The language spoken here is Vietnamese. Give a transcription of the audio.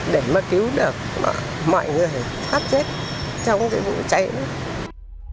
để mà cứu được mọi người khát chết trong cái vụ cháy đó